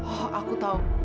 oh aku tahu